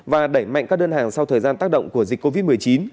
và đẩy mạnh các đơn hàng sau thời gian tác động của dịch covid một mươi chín